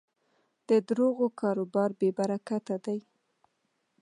د دروغو کاروبار بېبرکته دی.